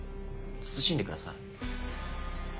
慎んでください。